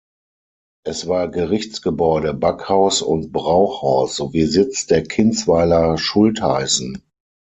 Es war Gerichtsgebäude, Backhaus und Brauhaus sowie Sitz der Kinzweiler Schultheißen.